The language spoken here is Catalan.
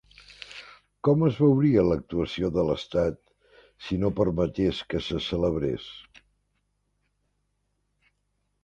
Com es veuria l'actuació de l'estat si no permetés que se celebrés?